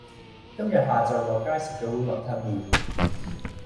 今日下晝落街食咗碗雲吞麪